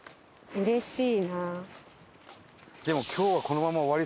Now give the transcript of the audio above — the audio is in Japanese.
うれしい。